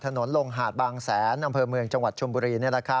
ถนนลงหาดบางแสนน้ำเพลิงจังหวัดชุมปุรี